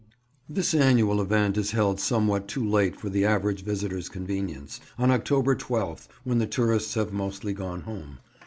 This annual event is held somewhat too late for the average visitor's convenience; on October 12th, when the tourists have mostly gone home.